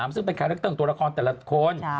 ซึ่งเป็นคาแรคเตอร์ของตัวละครแต่ละคน